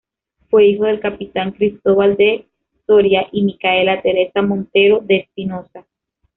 Fue hijo del capitán Cristóbal de Soria y Micaela Teresa Montero de Espinosa.